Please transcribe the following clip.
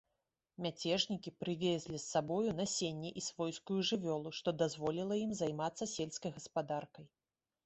Мяцежнікі прывезлі з сабою насенне і свойскую жывёлу, што дазволіла ім займацца сельскай гаспадаркай.